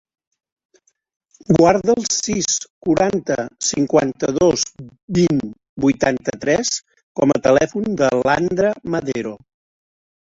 Guarda el sis, quaranta, cinquanta-dos, vint, vuitanta-tres com a telèfon de l'Andra Madero.